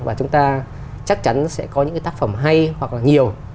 và chúng ta chắc chắn sẽ có những cái tác phẩm hay hoặc là nhiều